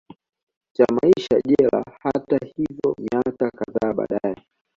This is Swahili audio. cha maisha jela Hata hivyo miaka kadhaa baadae